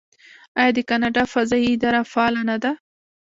آیا د کاناډا فضایی اداره فعاله نه ده؟